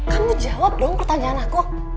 kamu jawab dong pertanyaan aku